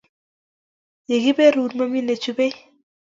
Ye kiberur mami nechubei